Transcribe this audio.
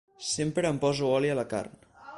Sempre em poso oli a la carn.